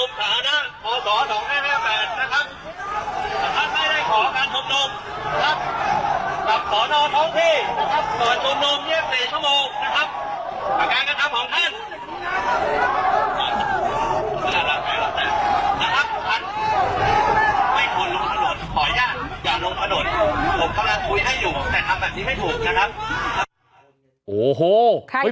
โอ้โหผมกำลังคุยให้อยู่แต่ทำแบบนี้ให้ถูกนะครับ